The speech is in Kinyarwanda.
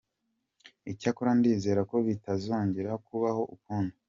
Icyakora ndizera ko bitazongera kubaho ukundi.